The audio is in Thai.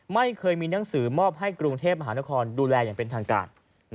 ไม่เคยมีหนังสือมอบให้กรุงเทพมหานครดูแลอย่างเป็นทางการ